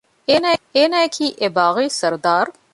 އޭނާއަކީ އެބާޣީ ސަރުދާރު